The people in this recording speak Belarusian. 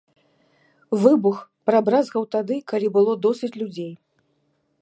Выбух прабразгаў тады, калі было досыць людзей.